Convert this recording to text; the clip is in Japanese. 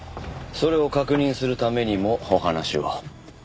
それを確認するためにもお話を。